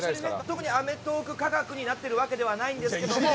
特に『アメトーーク』価格になってるわけではないんですけども。